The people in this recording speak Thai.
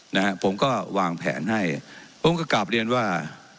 นะฮะผมก็วางแผนให้ผมก็กลับเรียนว่า